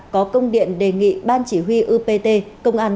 có công điện đề nghị ban chỉ huy upt công an